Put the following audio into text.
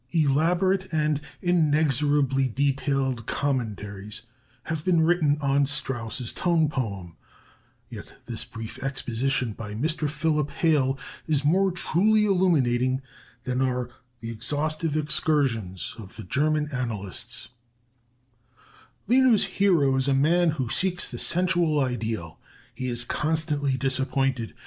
Elaborate and inexorably detailed commentaries have been written on Strauss's tone poem; yet this brief exposition by Mr. Philip Hale is more truly illuminating than are the exhaustive excursions of the German analysts: "Lenau's hero is a man who seeks the sensual ideal. He is constantly disappointed.